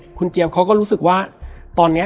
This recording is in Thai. แล้วสักครั้งหนึ่งเขารู้สึกอึดอัดที่หน้าอก